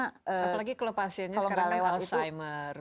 apalagi kalau pasiennya sekarang alzheimer